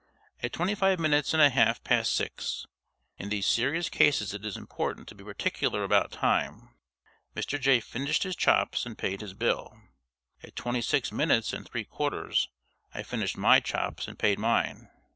At twenty five minutes and a half past six in these serious cases it is important to be particular about time Mr. Jay finished his chops and paid his bill. At twenty six minutes and three quarters I finished my chops and paid mine.